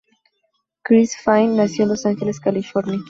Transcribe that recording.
Chris Pine nació en Los Ángeles, California.